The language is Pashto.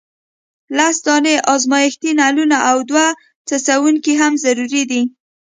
لس دانې ازمیښتي نلونه او دوه څڅونکي هم ضروري دي.